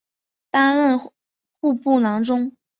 担任户部郎中。